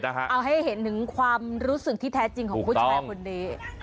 เอาให้เห็นถึงความรู้สึกที่แท้จริงของผู้ชายคนนี้